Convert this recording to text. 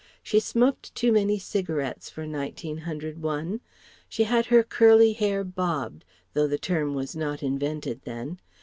She smoked too many cigarettes for 1901. She had her curly hair "bobbed" (though the term was not invented then).